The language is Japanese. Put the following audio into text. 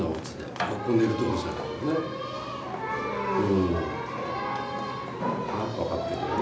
うん分かってるよね？